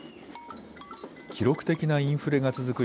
記録的なインフレが続く